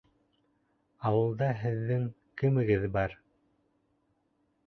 Ауылда һеҙҙең кемегеҙ бар?